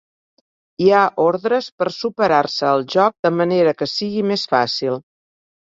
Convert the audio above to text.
Hi ha ordres per superar-se el joc de manera que sigui més fàcil.